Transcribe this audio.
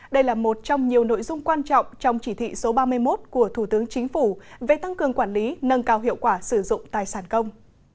đây là một trong nhiều nội dung quan trọng trong chỉ thị số ba mươi một của thủ tướng chính phủ về tăng cường quản lý nâng cao hiệu quả sử dụng tài sản công